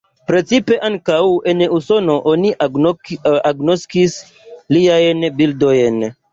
Precipe ankaŭ en Usono oni agnoskis liajn bildojn.